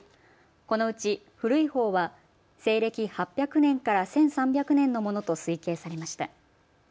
このうち古いほうは西暦８００年から１３００年のものと推計されました。